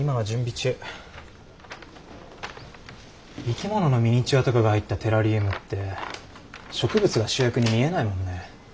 生き物のミニチュアとかが入ったテラリウムって植物が主役に見えないもんね。